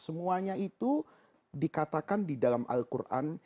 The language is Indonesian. semuanya itu dikatakan di dalam al quran